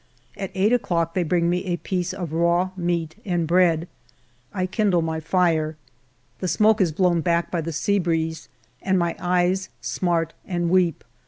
At eight o'clock they bring me a piece of raw meat and bread. I kindle my fire. The smoke is blown back by the sea breeze and my eyes smart and weep.